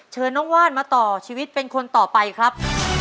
เชิญน้องว่านมาต่อชีวิตเป็นคนต่อไปครับ